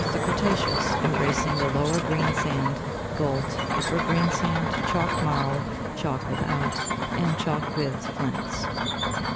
The creta'ceous, embracing the lower greensand, gault, upper green sand, chalk marl, chalk without, and chalk with flints.